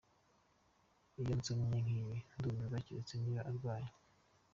iyo nsomye nkibi ndumirwa, keretse niba urwaye.